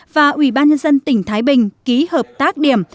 và ubnd tỉnh thái bình ký hợp tác điểm